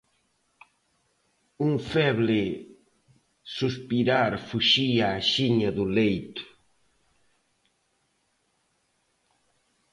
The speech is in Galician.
Un feble suspirar fuxía axiña do leito.